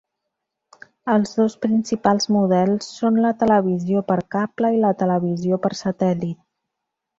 Els dos principals models són la televisió per cable i la televisió per satèl·lit.